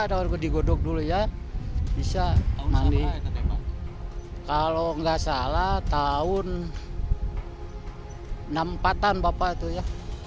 kalau nggak salah tahun enam puluh empat an bapak itu ya